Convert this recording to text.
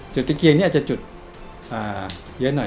ตะเกียงนี่อาจจะจุดเยอะหน่อย